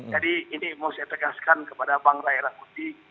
jadi ini mau saya tegaskan kepada bang rai rangkuti